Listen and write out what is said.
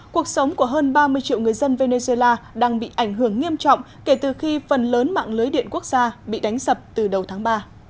cuộc sống của hơn ba mươi triệu người dân venezuela đang bị ảnh hưởng nghiêm trọng kể từ khi phần lớn mạng lưới điện quốc gia bị đánh sập từ đầu tháng ba